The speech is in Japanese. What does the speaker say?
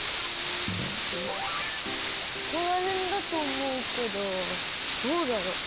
ここらへんだとおもうけどどうだろう？